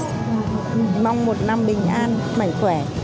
tháng nay tôi đến đây để mong một năm bình an mạnh khỏe